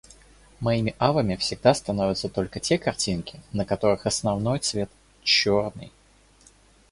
Моими авами всегда становятся только те картинки, на которых основной цвет — чёрный.